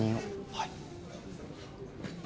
はい。